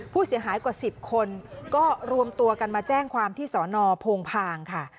ผู้เสียหายกว่า๑๐คนก็รวมตัวกันมาแจ้งความที่สอนอโพงพางค่ะ